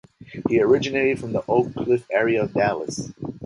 He originated from the Oak Cliff area of Dallas.